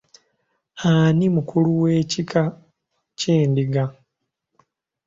Ani mukulu wekika ky'Endiga?